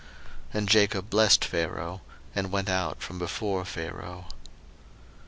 01:047:010 And Jacob blessed Pharaoh, and went out from before Pharaoh.